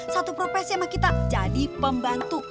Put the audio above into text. satu profesi sama kita jadi pembantu